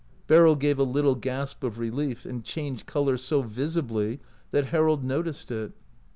Beryl gave a little gasp of relief, and changed color so visibly that Harold noticed it.